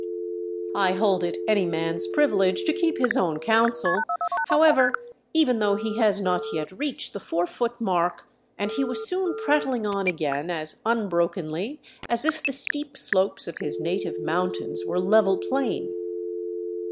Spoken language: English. I hold it any man's privilege to keep his own counsel, however, even though he has not yet reached the four foot mark, and he was soon prattling on again as unbrokenly as if the steep slopes of his native mountains were level plain.